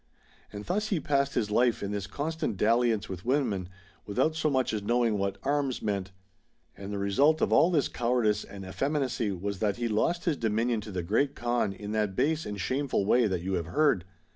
And thus he passed his life in this constant dalliance with women, without so much as knowing what arms meant. And the result of all this cowardice and effeminacy was that he lost his dominion to the Great Kaan in that base and shameful way that you have heard."